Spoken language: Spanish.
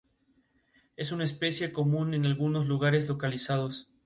Actualmente compiten en simultáneo, pero anteriormente han disputados carreras por separado.